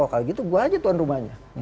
kalau begitu saya saja tuan rumahnya